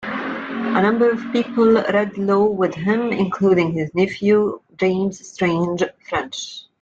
A number of people read law with him, including his nephew James Strange French.